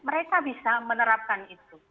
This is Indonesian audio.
mereka bisa menerapkan itu